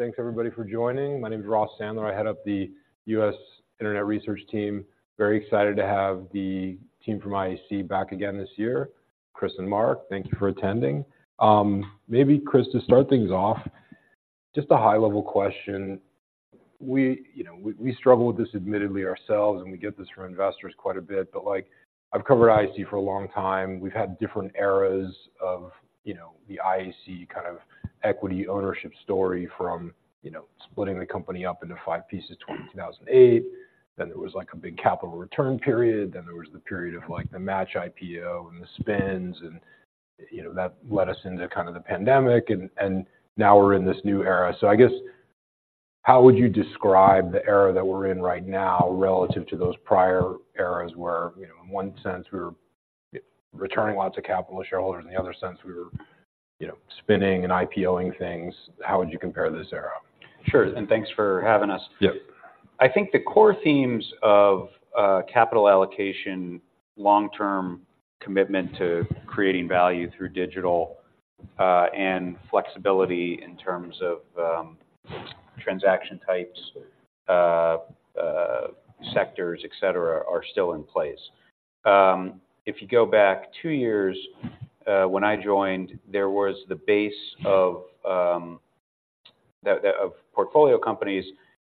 Thanks everybody for joining. My name is Ross Sandler. I head up the U.S. Internet Research Team. Very excited to have the team from IAC back again this year. Chris and Mark, thank you for attending. Maybe, Chris, to start things off, just a high-level question. We, you know, struggle with this admittedly ourselves, and we get this from investors quite a bit, but, like, I've covered IAC for a long time. We've had different eras of, you know, the IAC kind of equity ownership story from, you know, splitting the company up into five pieces in 2008. Then there was, like, a big capital return period, then there was the period of, like, the Match IPO and the spins and, you know, that led us into kind of the pandemic, and now we're in this new era. I guess, how would you describe the era that we're in right now relative to those prior eras, where, you know, in one sense, we were returning lots of capital to shareholders, in the other sense, we were, you know, spinning and IPO-ing things? How would you compare this era? Sure, and thanks for having us. Yep. I think the core themes of capital allocation, long-term commitment to creating value through digital, and flexibility in terms of transaction types, sectors, et cetera, are still in place. If you go back two years, when I joined, there was the base of the portfolio companies,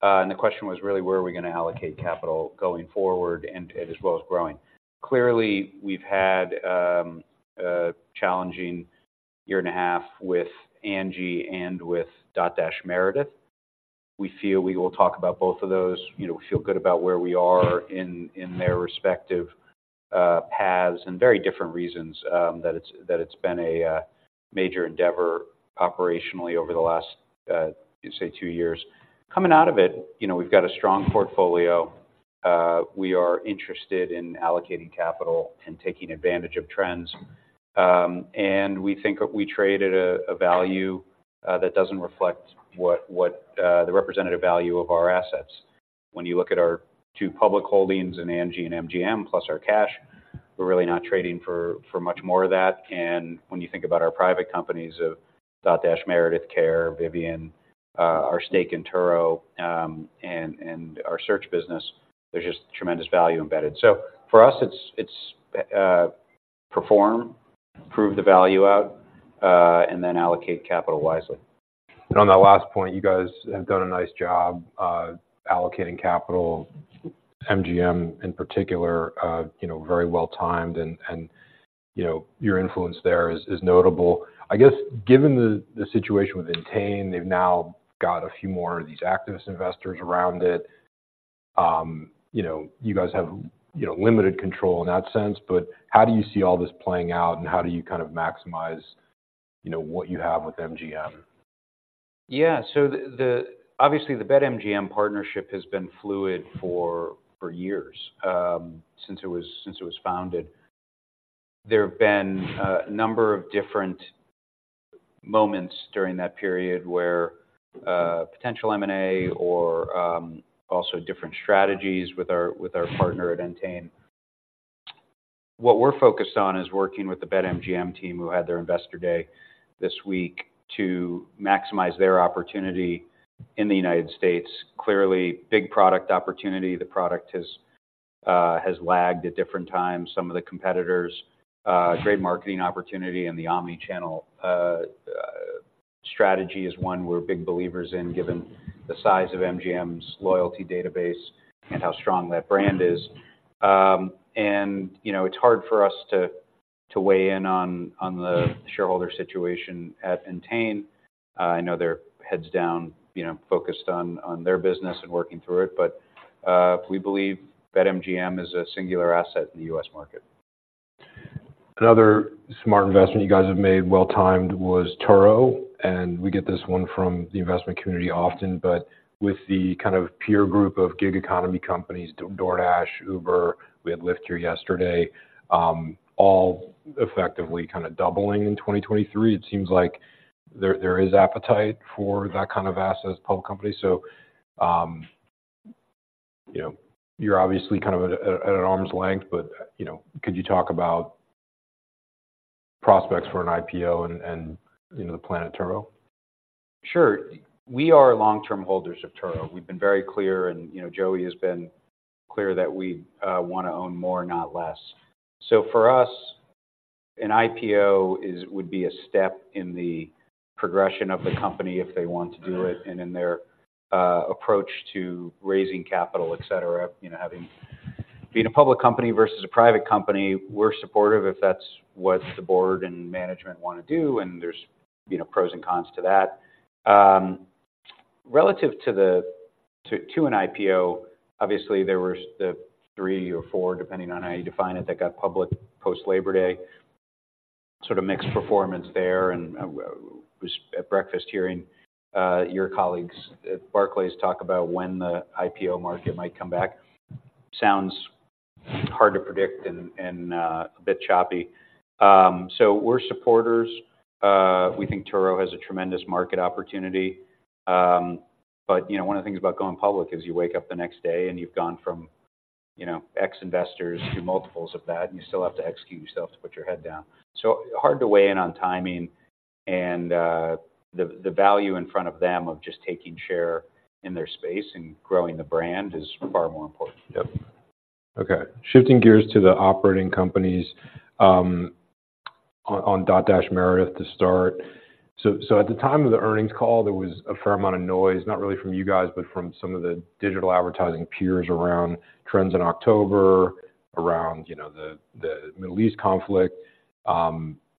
and the question was really: Where are we going to allocate capital going forward and, as well as growing? Clearly, we've had a challenging year and a half with Angi and with Dotdash Meredith. We feel we will talk about both of those. You know, we feel good about where we are in their respective paths, and very different reasons that it's been a major endeavor operationally over the last, say two years. Coming out of it, you know, we've got a strong portfolio. We are interested in allocating capital and taking advantage of trends. We think we trade at a value that doesn't reflect what the representative value of our assets. When you look at our two public holdings in Angi and MGM, plus our cash, we're really not trading for much more of that. And when you think about our private companies of Dotdash Meredith, Care, Vimeo, our stake in Turo, and our Search business, there's just tremendous value embedded. So for us, it's prove the value out and then allocate capital wisely. On that last point, you guys have done a nice job allocating capital. MGM, in particular, you know, very well-timed and you know, your influence there is notable. I guess, given the situation with Entain, they've now got a few more of these activist investors around it. You know, you guys have limited control in that sense, but how do you see all this playing out, and how do you kind of maximize what you have with MGM? Yeah. So the obviously, the BetMGM partnership has been fluid for years, since it was founded. There have been a number of different moments during that period where potential M&A or also different strategies with our partner at Entain. What we're focused on is working with the BetMGM team, who had their Investor Day this week, to maximize their opportunity in the United States. Clearly, big product opportunity. The product has lagged at different times. Some of the competitors great marketing opportunity and the omni-channel strategy is one we're big believers in, given the size of MGM's loyalty database and how strong that brand is. And, you know, it's hard for us to weigh in on the shareholder situation at Entain. I know they're heads down, you know, focused on their business and working through it. But, we believe BetMGM is a singular asset in the U.S. market. Another smart investment you guys have made, well-timed, was Turo, and we get this one from the investment community often. But with the kind of peer group of gig economy companies, DoorDash, Uber, we had Lyft here yesterday, all effectively kind of doubling in 2023. It seems like there is appetite for that kind of asset as a public company. So, you know, you're obviously kind of at an arm's length, but, you know, could you talk about prospects for an IPO and you know, the plan at Turo? Sure. We are long-term holders of Turo. We've been very clear, and, you know, Joey has been clear that we want to own more, not less. So for us, an IPO would be a step in the progression of the company if they want to do it, and in their approach to raising capital, et cetera. You know, being a public company versus a private company, we're supportive if that's what the board and management want to do, and there's, you know, pros and cons to that. Relative to an IPO, obviously, there were the three or four, depending on how you define it, that got public post-Labor Day. Sort of mixed performance there, and was at breakfast hearing your colleagues at Barclays talk about when the IPO market might come back. Sounds hard to predict and a bit choppy. So we're supporters. We think Turo has a tremendous market opportunity. But, you know, one of the things about going public is you wake up the next day, and you've gone from, you know, ex-investors do multiples of that, and you still have to execute yourself to put your head down. So hard to weigh in on timing, and the value in front of them of just taking share in their space and growing the brand is far more important. Yep. Okay. Shifting gears to the operating companies, on Dotdash Meredith to start. So at the time of the earnings call, there was a fair amount of noise, not really from you guys, but from some of the digital advertising peers around trends in October, around, you know, the Middle East conflict.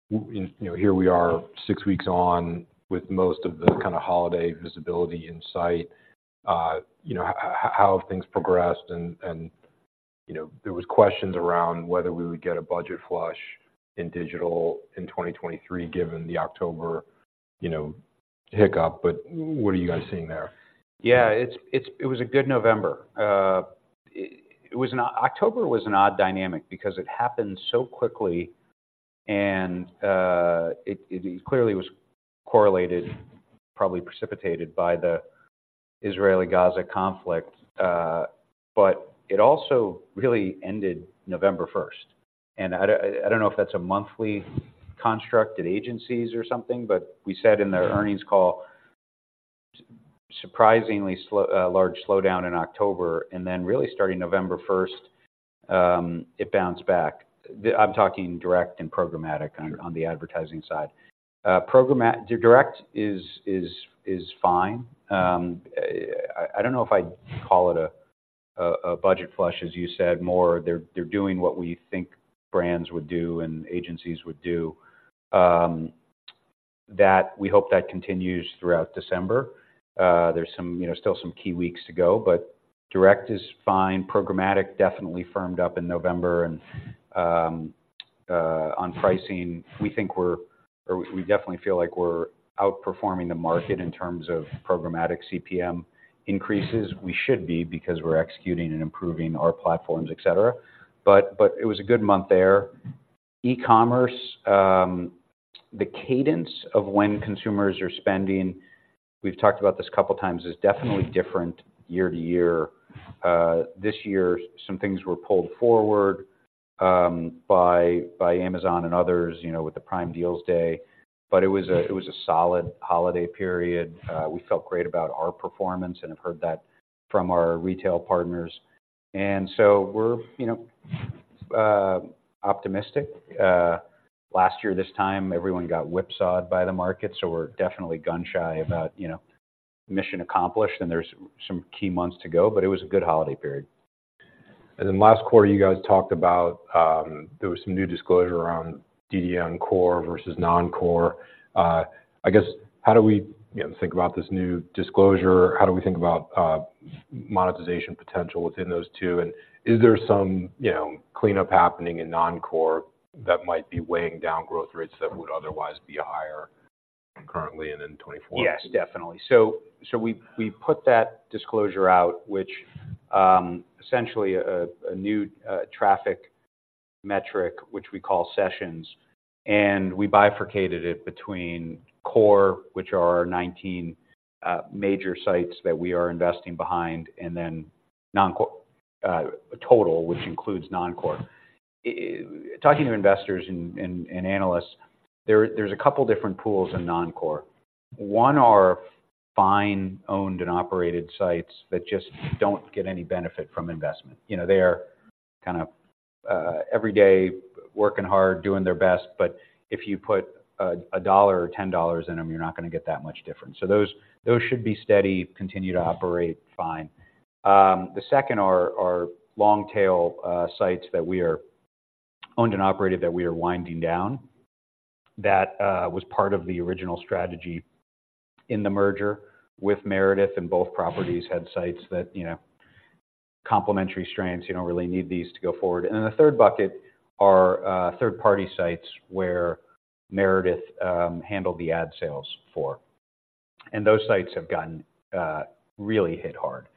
You know, here we are, six weeks on, with most of the kind of holiday visibility in sight. How have things progressed? And, you know, there was questions around whether we would get a budget flush in digital in 2023, given the October, you know, hiccup, but what are you guys seeing there? Yeah, it was a good November. It was an odd dynamic. October was an odd dynamic because it happened so quickly, and it clearly was correlated, probably precipitated by the Israeli-Gaza conflict. But it also really ended November first, and I don't know if that's a monthly construct at agencies or something, but we said in the earnings call, surprisingly large slowdown in October, and then really starting November first, it bounced back. I'm talking direct and programmatic on the advertising side. Direct is fine. I don't know if I'd call it a budget flush, as you said, more they're doing what we think brands would do and agencies would do. We hope that continues throughout December. There's some, you know, still some key weeks to go, but direct is fine. Programmatic definitely firmed up in November, and on pricing, we think we're or we definitely feel like we're outperforming the market in terms of programmatic CPM increases. We should be, because we're executing and improving our platforms, et cetera. But it was a good month there. E-commerce, the cadence of when consumers are spending, we've talked about this a couple times, is definitely different year to year. This year, some things were pulled forward by Amazon and others, you know, with the Prime Deals Day, but it was a solid holiday period. We felt great about our performance and have heard that from our retail partners, and so we're, you know, optimistic. Last year, this time, everyone got whipsawed by the market, so we're definitely gun-shy about, you know, mission accomplished, and there's some key months to go, but it was a good holiday period. And then last quarter, you guys talked about there was some new disclosure around DDM core versus non-core. I guess, how do we, you know, think about this new disclosure? How do we think about monetization potential within those two? And is there some, you know, cleanup happening in non-core that might be weighing down growth rates that would otherwise be higher currently and in 2024? Yes, definitely. So we put that disclosure out, which essentially a new traffic metric, which we call sessions, and we bifurcated it between core, which are our 19 major sites that we are investing behind, and then non-core total, which includes non-core. Talking to investors and analysts, there's a couple different pools in non-core. One are fine owned and operated sites that just don't get any benefit from investment. You know, they are kind of every day, working hard, doing their best, but if you put a dollar or $10 in them, you're not gonna get that much different. So those should be steady, continue to operate fine. The second are long tail sites that we are owned and operated, that we are winding down. That was part of the original strategy in the merger with Meredith, and both properties had sites that, you know, complementary strengths, you don't really need these to go forward. And then the third bucket are third-party sites where Meredith handled the ad sales for. And those sites have gotten really hit hard.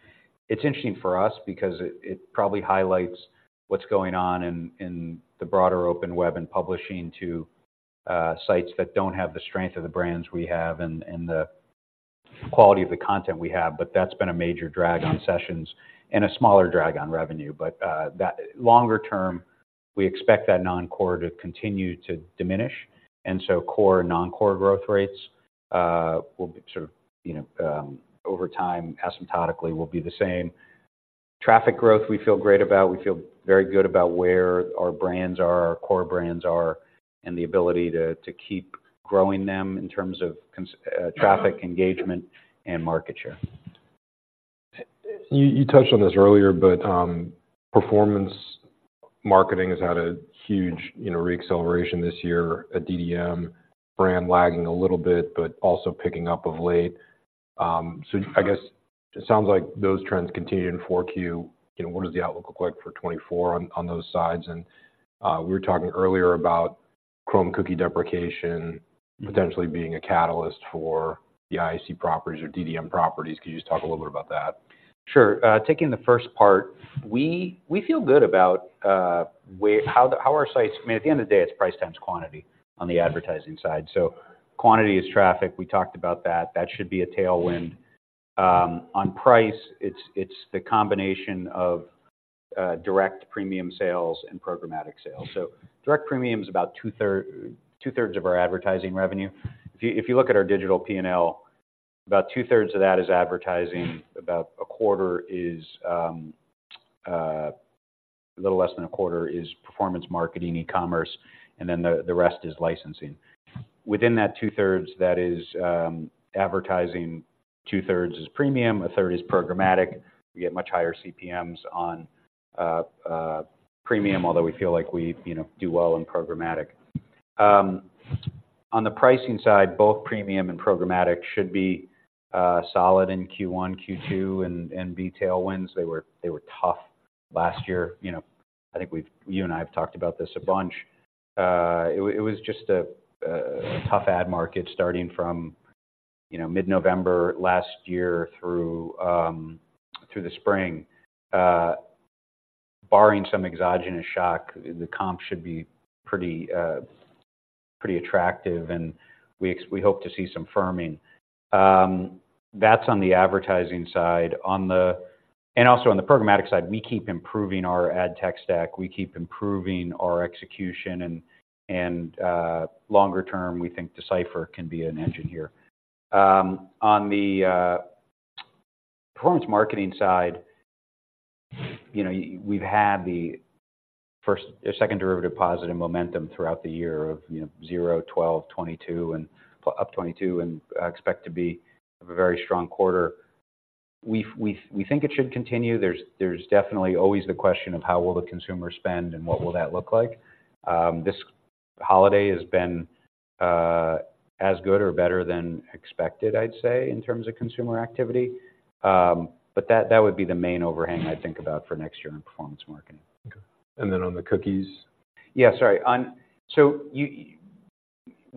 It's interesting for us because it probably highlights what's going on in the broader open web and publishing to sites that don't have the strength of the brands we have and the quality of the content we have, but that's been a major drag on sessions and a smaller drag on revenue. But that longer term, we expect that non-core to continue to diminish, and so core and non-core growth rates will be sort of, you know, over time, asymptotically will be the same. Traffic growth, we feel great about. We feel very good about where our brands are, our core brands are, and the ability to keep growing them in terms of traffic engagement and market share. You, you touched on this earlier, but performance marketing has had a huge, you know, re-acceleration this year, at DDM, brand lagging a little bit, but also picking up of late. So I guess it sounds like those trends continued in Q4. You know, what does the outlook look like for 2024 on, on those sides? And we were talking earlier about Chrome cookie deprecation potentially being a catalyst for the IAC properties or DDM properties. Could you just talk a little bit about that? Sure. Taking the first part, we feel good about how our sites. I mean, at the end of the day, it's price times quantity on the advertising side. So, quantity is traffic, we talked about that. That should be a tailwind. On price, it's the combination of direct premium sales and programmatic sales. So direct premium is about two-thirds of our advertising revenue. If you look at our digital P&L, about two-thirds of that is advertising, about a quarter is a little less than a quarter is performance marketing, e-commerce, and then the rest is licensing. Within that two-thirds, that is advertising, two-thirds is premium, a third is programmatic. We get much higher CPMs on premium, although we feel like we, you know, do well in programmatic. On the pricing side, both premium and programmatic should be solid in Q1, Q2 and be tailwinds. They were, they were tough last year. You know, I think we've you and I have talked about this a bunch. It was, it was just a tough ad market starting from, you know, mid-November last year through the spring. Barring some exogenous shock, the comp should be pretty, pretty attractive, and we hope to see some firming. That's on the advertising side. On the... And also on the programmatic side, we keep improving our ad tech stack, we keep improving our execution, and, longer term, we think D/Cipher can be an engine here. On the performance marketing side, you know, we've had second derivative positive momentum throughout the year of, you know, 0%, 12%, 22%, and up 22%, and I expect to be a very strong quarter. We think it should continue. There's definitely always the question of how will the consumer spend and what will that look like? This holiday has been as good or better than expected, I'd say, in terms of consumer activity. But that would be the main overhang I'd think about for next year in performance marketing. Okay. And then on the cookies? Yeah, sorry. So we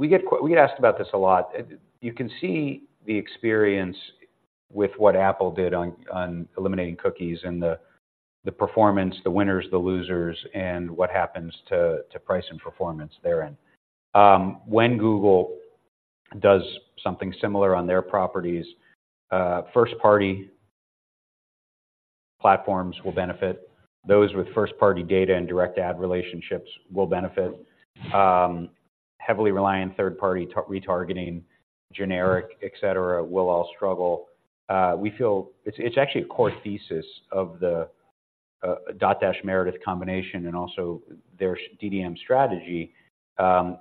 get asked about this a lot. You can see the experience with what Apple did on eliminating cookies and the performance, the winners, the losers, and what happens to price and performance therein. When Google does something similar on their properties, first-party platforms will benefit. Those with first-party data and direct ad relationships will benefit. Heavily reliant third-party retargeting, generic, et cetera, will all struggle. We feel it's actually a core thesis of the Dotdash Meredith combination, and also their DDM strategy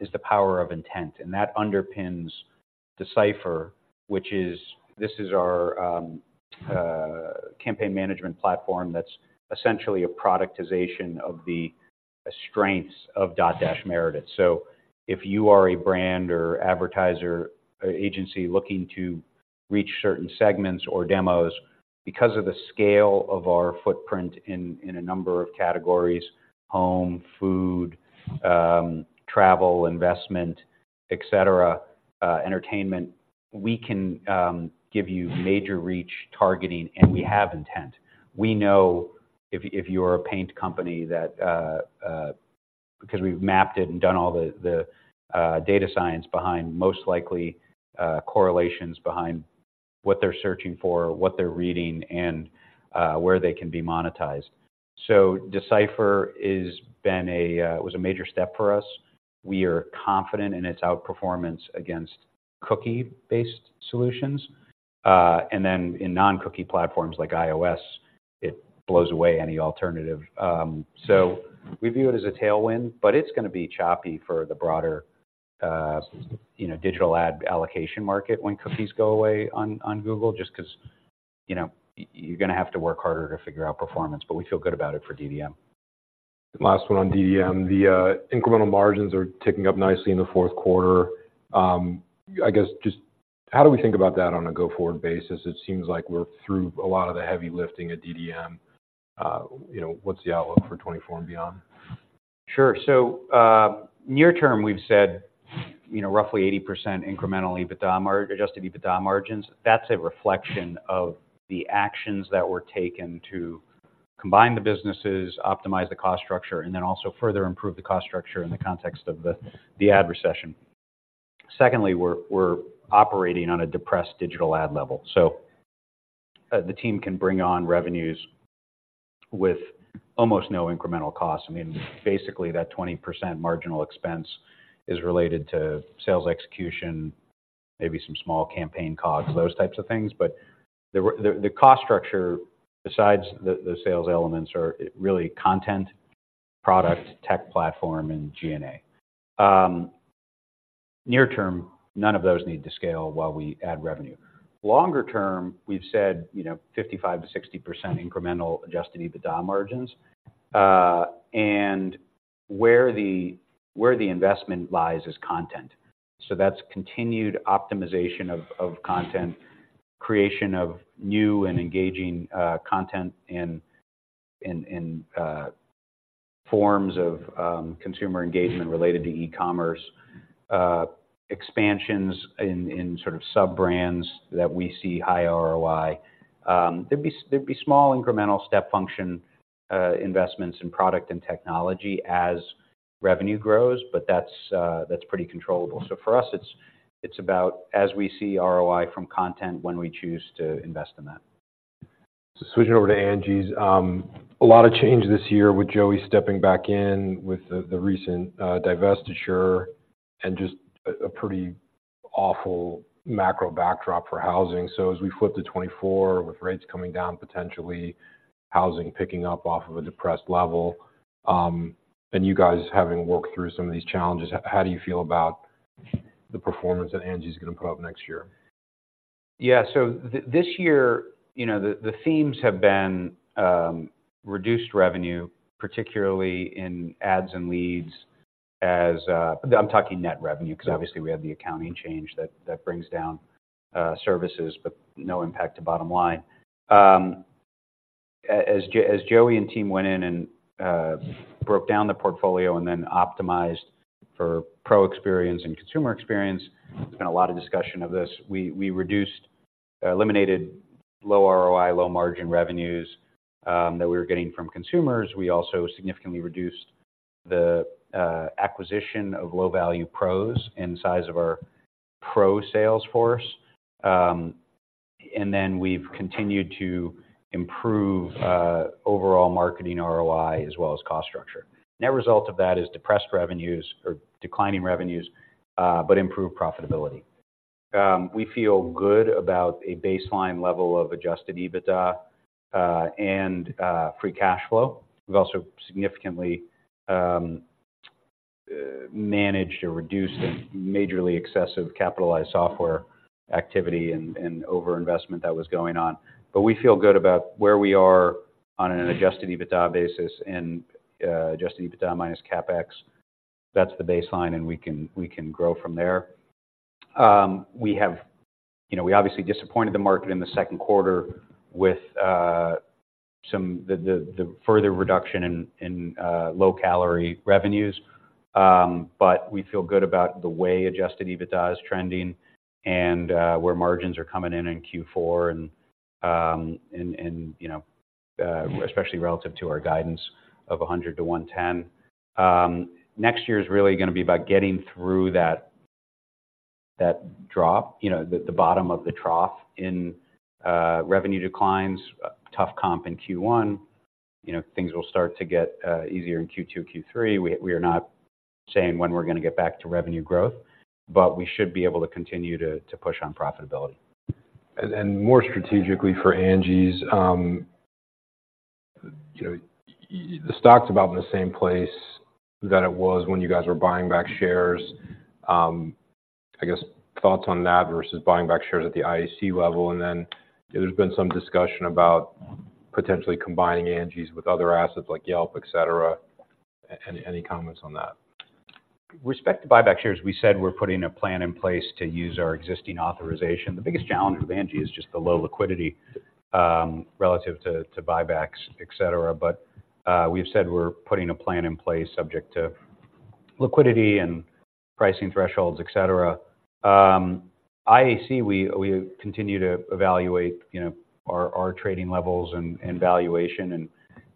is the power of intent, and that underpins D/Cipher, which is this. This is our campaign management platform that's essentially a productization of the strengths of Dotdash Meredith. So if you are a brand or advertiser, or agency looking to reach certain segments or demos, because of the scale of our footprint in a number of categories: home, food, travel, investment, et cetera, entertainment, we can give you major reach targeting, and we have intent. We know if you're a paint company that, because we've mapped it and done all the data science behind most likely correlations behind what they're searching for, what they're reading, and where they can be monetized. So D/Cipher is been a... was a major step for us. We are confident in its outperformance against cookie-based solutions. And then in non-cookie platforms like iOS, it blows away any alternative. So we view it as a tailwind, but it's gonna be choppy for the broader, you know, digital ad allocation market when cookies go away on, on Google, just 'cause, you know, you're gonna have to work harder to figure out performance, but we feel good about it for DDM. Last one on DDM. The incremental margins are ticking up nicely in the fourth quarter. I guess just how do we think about that on a go-forward basis? It seems like we're through a lot of the heavy lifting at DDM. You know, what's the outlook for '2024 and beyond? Sure. So, near term, we've said, you know, roughly 80% incremental EBITDA margin, adjusted EBITDA margins. That's a reflection of the actions that were taken to combine the businesses, optimize the cost structure, and then also further improve the cost structure in the context of the ad recession. Secondly, we're operating on a depressed digital ad level, so the team can bring on revenues with almost no incremental cost. I mean, basically, that 20% marginal expense is related to sales execution, maybe some small campaign costs, those types of things. But the cost structure, besides the sales elements, are really content, product, tech platform, and G&A. Near term, none of those need to scale while we add revenue. Longer term, we've said, you know, 55%-60% incremental Adjusted EBITDA margins, and where the investment lies is content. So that's continued optimization of content, creation of new and engaging content in forms of consumer engagement related to e-commerce, expansions in sort of sub-brands that we see high ROI. There'd be small incremental step function investments in product and technology as revenue grows, but that's pretty controllable. So for us, it's about as we see ROI from content when we choose to invest in that. Switching over to Angi's. A lot of change this year with Joey stepping back in with the recent divestiture and just a pretty awful macro backdrop for housing. So as we flip to 2024, with rates coming down, potentially housing picking up off of a depressed level, and you guys having worked through some of these challenges, how do you feel about the performance that Angi's gonna put up next year? Yeah. So this year, you know, the themes have been reduced revenue, particularly in ads and leads as—I'm talking net revenue- Yeah... because obviously, we have the accounting change that brings down services, but no impact to bottom line. As Joey and team went in and broke down the portfolio and then optimized for pro experience and consumer experience, there's been a lot of discussion of this. We eliminated low ROI, low-margin revenues that we were getting from consumers. We also significantly reduced the acquisition of low-value pros and size of our pro sales force. And then we've continued to improve overall marketing ROI as well as cost structure. Net result of that is depressed revenues or declining revenues, but improved profitability. We feel good about a baseline level of adjusted EBITDA and free cash flow. We've also significantly managed or reduced a majorly excessive capitalized software activity and overinvestment that was going on. But we feel good about where we are on an adjusted EBITDA basis and adjusted EBITDA minus CapEx. That's the baseline, and we can grow from there. You know, we obviously disappointed the market in the second quarter with the further reduction in low-calorie revenues. But we feel good about the way adjusted EBITDA is trending and where margins are coming in in Q4 and, you know, especially relative to our guidance of $100-$110. Next year is really gonna be about getting through that drop, you know, the bottom of the trough in revenue declines, tough comp in Q1. You know, things will start to get easier in Q2, Q3. We are not saying when we're gonna get back to revenue growth, but we should be able to continue to push on profitability. And more strategically for Angi’s, you know, the stock's about in the same place that it was when you guys were buying back shares. I guess, thoughts on that versus buying back shares at the IAC level. And then there's been some discussion about potentially combining Angi’s with other assets like Yelp, et cetera. Any comments on that? With respect to buyback shares, we said we're putting a plan in place to use our existing authorization. The biggest challenge with Angi is just the low liquidity relative to buybacks, et cetera. But, we've said we're putting a plan in place subject to liquidity and pricing thresholds, et cetera. IAC, we continue to evaluate, you know, our trading levels and valuation and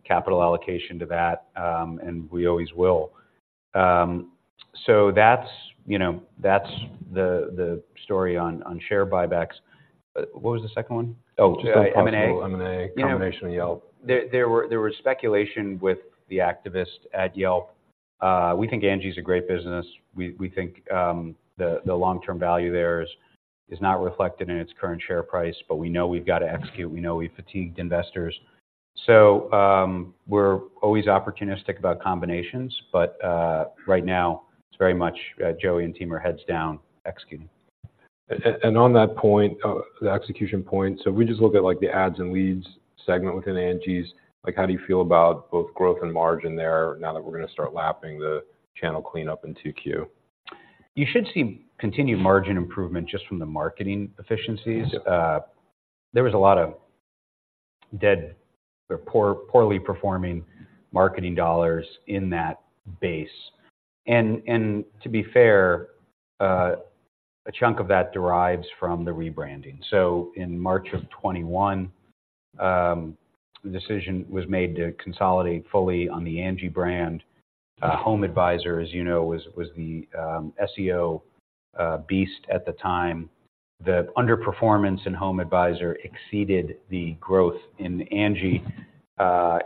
capital allocation to that, and we always will. So that's, you know, that's the story on share buybacks. What was the second one? Oh, M&A. Just M&A, combination of Yelp. There was speculation with the activist at Yelp. We think Angi's a great business. We think the long-term value there is not reflected in its current share price, but we know we've got to execute. We know we've fatigued investors. So, we're always opportunistic about combinations, but right now it's very much Joey and team are heads down, executing. On that point, the execution point, so if we just look at, like, the ads and leads segment within Angi's, like, how do you feel about both growth and margin there now that we're gonna start lapping the channel cleanup in 2Q? You should see continued margin improvement just from the marketing efficiencies. Yeah. There was a lot of dead or poorly performing marketing dollars in that base. To be fair, a chunk of that derives from the rebranding. In March of 2021, the decision was made to consolidate fully on the Angi brand. HomeAdvisor, as you know, was the SEO beast at the time. The underperformance in HomeAdvisor exceeded the growth in Angi,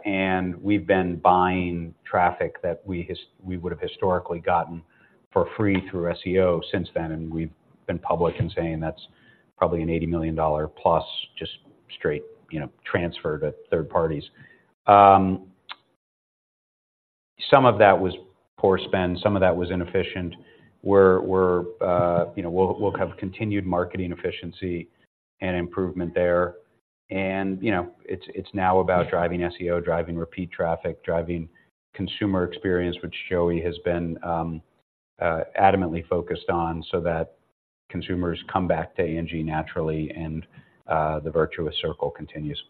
and we've been buying traffic that we would have historically gotten for free through SEO since then, and we've been public in saying that's probably an $80 million plus just straight, you know, transfer to third parties. Some of that was poor spend, some of that was inefficient. We, you know, will have continued marketing efficiency and improvement there. You know, it's now about driving SEO, driving repeat traffic, driving consumer experience, which Joey has been adamantly focused on, so that consumers come back to Angi naturally, and the virtuous circle continues.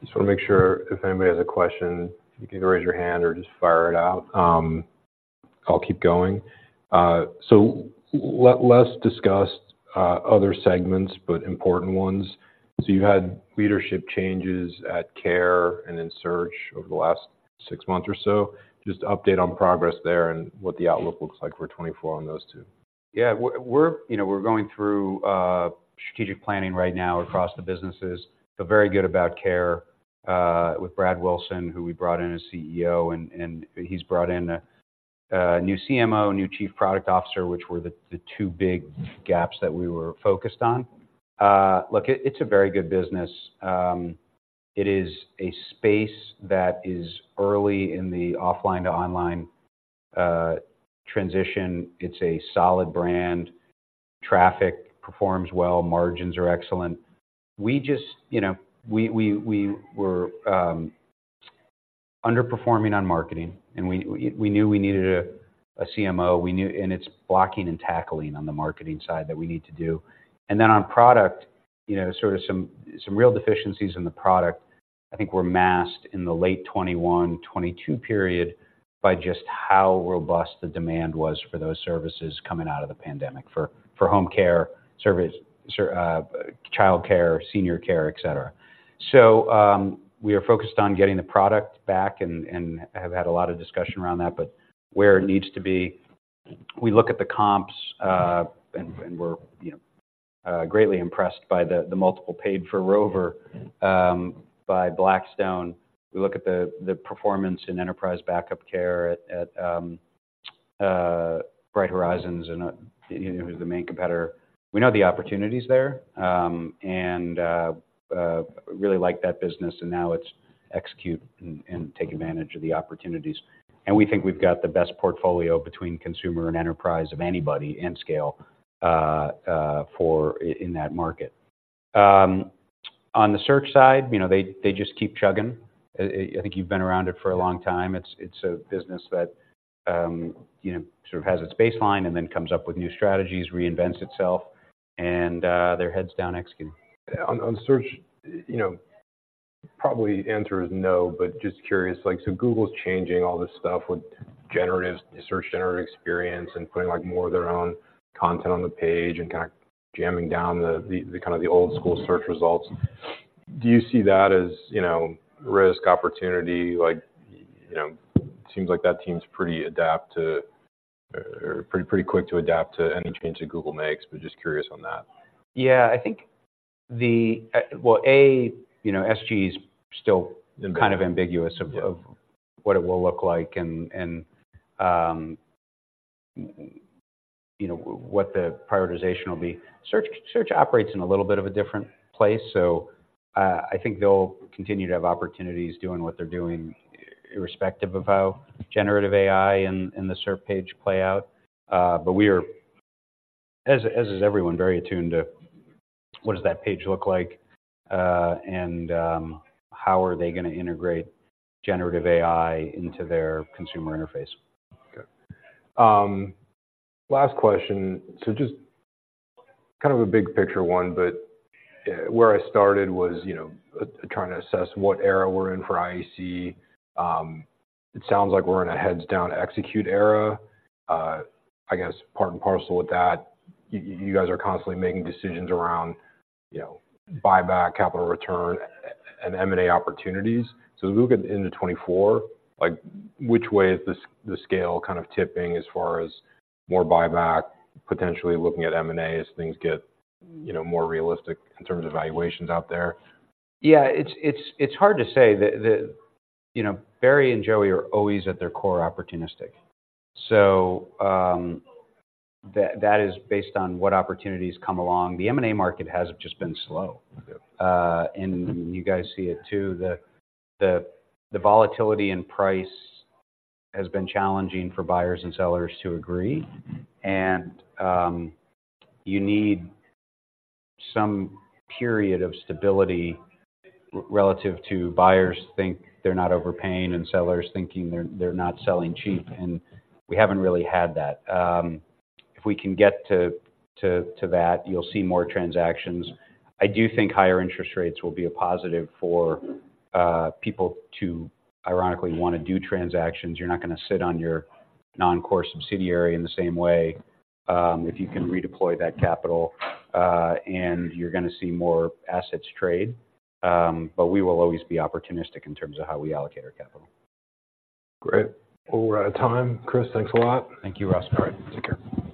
Just wanna make sure if anybody has a question, you can either raise your hand or just fire it out. I'll keep going. So less discussed, other segments, but important ones. So you had leadership changes at Care and in Search over the last six months or so. Just update on progress there and what the outlook looks like for 2024 on those two. Yeah, you know, we're going through strategic planning right now across the businesses, but very good about Care with Brad Wilson, who we brought in as CEO, and he's brought in a new CMO, new chief product officer, which were the two big gaps that we were focused on. Look, it's a very good business. It is a space that is early in the offline to online transition. It's a solid brand. Traffic performs well, margins are excellent. We just, you know, we were underperforming on marketing, and we knew we needed a CMO, we knew and it's blocking and tackling on the marketing side that we need to do. And then on product, you know, sort of some real deficiencies in the product, I think, were masked in the late 2021-2022 period, by just how robust the demand was for those services coming out of the pandemic for home care services, childcare, senior care, et cetera. So, we are focused on getting the product back and have had a lot of discussion around that, but where it needs to be. We look at the comps and we're, you know, greatly impressed by the multiple paid for Rover by Blackstone. We look at the performance in enterprise backup care at Bright Horizons and, you know, who's the main competitor. We know the opportunity's there and really like that business, and now it's execute and take advantage of the opportunities. We think we've got the best portfolio between consumer and enterprise of anybody, and scale for in that market. On the search side, you know, they, they just keep chugging. I think you've been around it for a long time. It's, it's a business that, you know, sort of has its baseline and then comes up with new strategies, reinvents itself, and, they're heads down executing. On Search, you know, probably answer is no, but just curious, like, so Google's changing all this stuff with generative... Search Generative Experience and putting, like, more of their own content on the page and kind of jamming down the kind of the old school search results. Do you see that as, you know, risk, opportunity? Like, you know, seems like that team's pretty adept at or pretty quick to adapt to any change that Google makes, but just curious on that. Yeah, I think the, well, you know, SGE is still- Ambiguous... kind of ambiguous of- Yeah... of what it will look like, and you know, what the prioritization will be. Search operates in a little bit of a different place, so I think they'll continue to have opportunities doing what they're doing, irrespective of how generative AI and the search page play out. But we are, as is everyone, very attuned to what does that page look like, and how are they gonna integrate generative AI into their consumer interface? Okay. Last question. So just kind of a big picture one, but, where I started was, you know, trying to assess what era we're in for IAC. It sounds like we're in a heads down execute era. I guess part and parcel with that, you, you guys are constantly making decisions around, you know, buyback, capital return, and M&A opportunities. So as we look into 2024, like, which way is the scale kind of tipping as far as more buyback, potentially looking at M&A as things get, you know, more realistic in terms of valuations out there? Yeah, it's hard to say. You know, Barry and Joey are always at their core, opportunistic. So, that is based on what opportunities come along. The M&A market has just been slow. Yeah. And you guys see it too, the volatility in price has been challenging for buyers and sellers to agree. And you need some period of stability relative to buyers think they're not overpaying and sellers thinking they're not selling cheap, and we haven't really had that. If we can get to that, you'll see more transactions. I do think higher interest rates will be a positive for people to ironically want to do transactions. You're not gonna sit on your non-core subsidiary in the same way, if you can redeploy that capital, and you're gonna see more assets trade. But we will always be opportunistic in terms of how we allocate our capital. Great. Well, we're out of time. Chris, thanks a lot. Thank you, Ross. All right, take care.